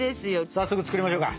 早速作りましょうか！